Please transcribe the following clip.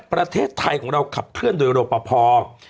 ประเทศไทยของเราขับเคลื่อนโดยโลกประพอบ